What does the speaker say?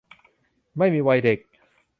ไม่มีวัยเด็ก